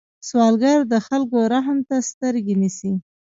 سوالګر د خلکو رحم ته سترګې نیسي